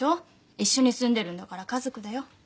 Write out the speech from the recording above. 一緒に住んでるんだから家族だよ。